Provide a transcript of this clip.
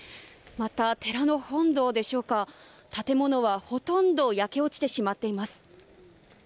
また、寺の本堂でしょうか建物は、ほとんど焼け落ちてしまっています。